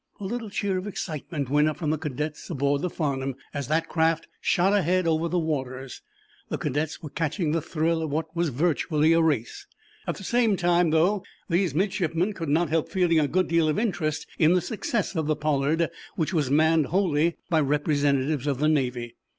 A little cheer of excitement went up from the cadets aboard the "Farnum" as that craft shot ahead over the waters. The cadets were catching the thrill of what was virtually a race. At the same time, though, these midshipmen could not help feeling a good deal of interest in the success of the "Pollard," which was manned wholly by representatives of the Navy.